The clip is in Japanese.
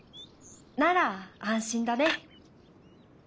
なら安心だね。